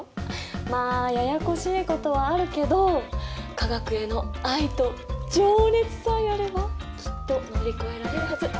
まあややこしいことはあるけど化学への愛と情熱さえあればきっと乗り越えられるはず。